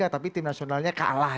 tapi tim nasionalnya kalah